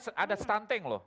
dan ini ada stunting loh